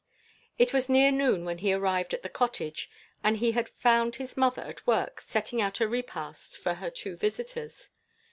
It was near noon when he arrived at the cottage, and he had found his mother at work setting out a repast for her two visitors.